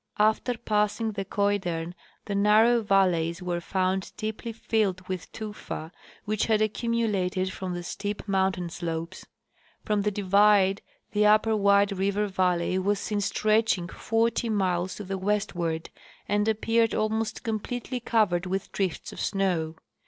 After passing the Koidern the narrow valleys were found deeply filled with tufa which had accumulated from the steep mountain slopes. From the divide the upper White River valley was seen stretching forty miles to the westward, and appeared almost completely covered with drifts of snow.